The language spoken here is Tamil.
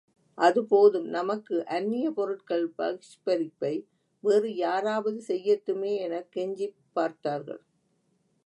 அது போதும் நமக்கு அந்நிய பொருட்கள் பகிஷ்கரிப்பை வேறு யாராவது செய்யட்டுமே எனக் கெஞ்சிப் பார்த்தார்கள்!